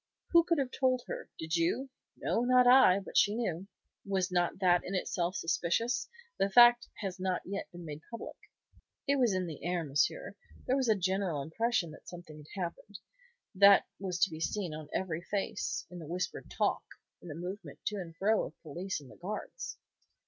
"Who could have told her? Did you?" "No, not I. But she knew." "Was not that in itself suspicious? The fact has not yet been made public." "It was in the air, monsieur. There was a general impression that something had happened. That was to be seen on every face, in the whispered talk, the movement to and fro of the police and the guards."